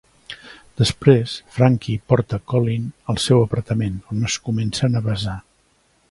Després, Frankie porta Colleen al seu apartament, on es comencen a besar.